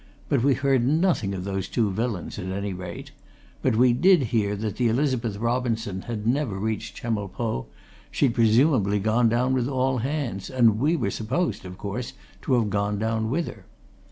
But we heard nothing of those two villains, at any rate. But we did hear that the Elizabeth Robinson had never reached Chemulpo she'd presumably gone down with all hands, and we were supposed, of course, to have gone down with her.